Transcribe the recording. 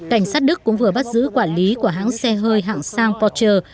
cảnh sát đức cũng vừa bắt giữ quản lý của hãng xe hơi hạng soundportcher